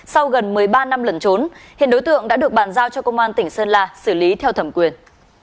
sau gần một mươi ba năm lần trốn hiện đối tượng đã được bàn giao cho công an tỉnh sơn la xử lý theo thẩm quyền